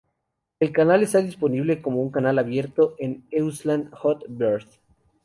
El canal está disponible como un canal en abierto en Eutelsat Hot Bird.